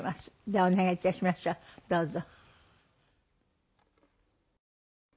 どうぞ。